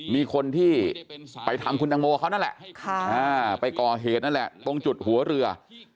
มีคนที่ไปทำคุณตังโมเขานั่นแหละไปก่อเหตุนั่นแหละตรงจุดหัวเรือ